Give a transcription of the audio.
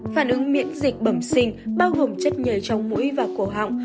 phản ứng miễn dịch bẩm sinh bao gồm chất nhồi trong mũi và cổ họng